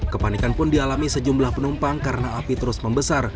kepanikan pun dialami sejumlah penumpang karena api terus membesar